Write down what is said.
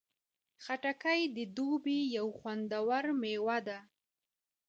خټکی د دوبی یو خوندور میوه ده.